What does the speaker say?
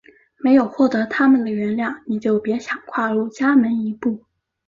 没有获得它们的原谅你就别想跨入家门一步！